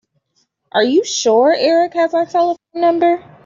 Are you sure Erik has our telephone number?